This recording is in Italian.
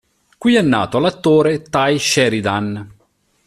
Qui è nato l'attore Tye Sheridan.